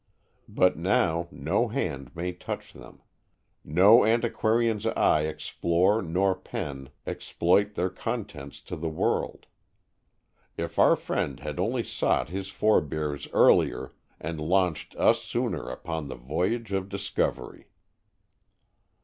But now no hand may touch them, no antiquarian's eye explore nor pen exploit their contents to the world! If our friend had only sought his forebears earlier, and launched us sooner upon the voyage of discovery!